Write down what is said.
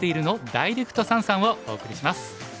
ダイレクト三々」をお送りします。